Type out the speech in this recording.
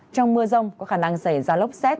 trong mưa rông có khả năng xảy ra lốc xét